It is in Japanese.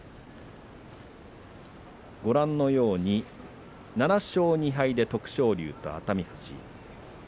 ご覧のように２敗で徳勝龍と熱海富士。